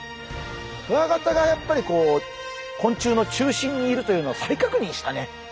クワガタがやっぱり昆虫の中心にいるというのを再確認したね。